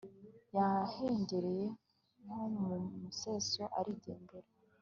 yahengereye nko mu museso arigendera